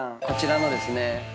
こちらのですね。